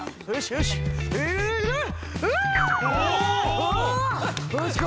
よし！